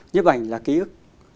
nhiếp ảnh là ký ức